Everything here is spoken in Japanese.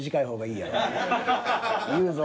言うぞ。